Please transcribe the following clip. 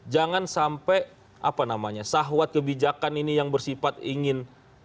jangan sampai sahwat kebijakan ini yang bersifat ingin